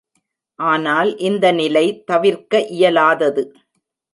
ஆனால் இந்த நிலை தவிர்க்க இயலாதது.